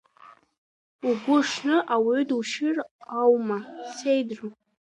Угәы шны ауаҩы душьыр аума, сеидру?